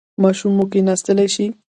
ماشوم مو کیناستلی شي؟